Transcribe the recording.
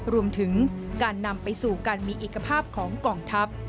รวมถึงการนำไปสู่การมีเอกภาพของกองทัพ